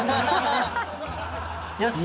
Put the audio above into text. よし！